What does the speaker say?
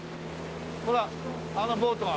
ほらあのボートが。